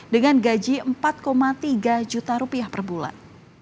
dengan gaji empat tiga juta rupiah per bulan